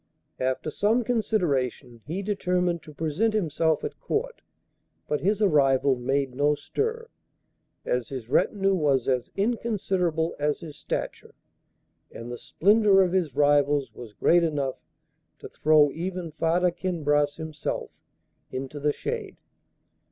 After some consideration he determined to present himself at Court; but his arrival made no stir, as his retinue was as inconsiderable as his stature, and the splendour of his rivals was great enough to throw even Farda Kinbras himself into the shade.